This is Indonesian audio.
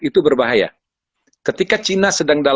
itu berbahaya ketika cina